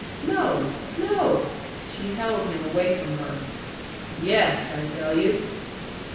"No, no!" She held him away from her. "Yes, I tell you!"